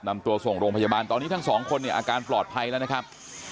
นำตัวส่งโรงพยาบาลตอนนี้ทั้งสองคนเนี่ยอาการปลอดภัยแล้วนะครับ